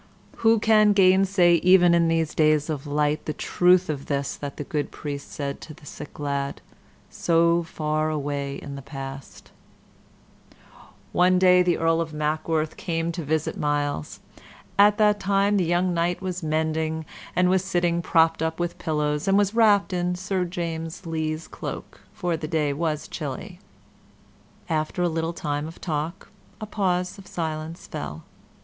Who can gainsay, even in these days of light, the truth of this that the good priest said to the sick lad so far away in the past? One day the Earl of Mackworth came to visit Myles. At that time the young knight was mending, and was sitting propped up with pillows, and was wrapped in Sir James Lee's cloak, for the day was chilly. After a little time of talk, a pause of silence fell.